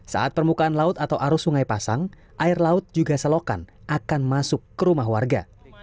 saat permukaan laut atau arus sungai pasang air laut juga selokan akan masuk ke rumah warga